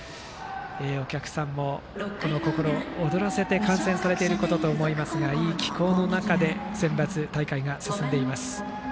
お客さんも心躍らせて観戦されていることと思いますがいい気候の中でセンバツ大会が進んでいます。